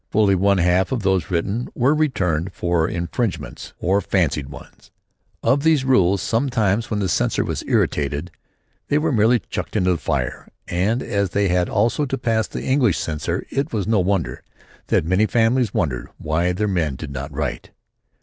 Fully one half of those written were returned for infringements, or fancied ones, of these rules. Sometimes when the censor was irritated they were merely chucked into the fire. And as they had also to pass the English censor it is no wonder that many families wondered why their men did not write.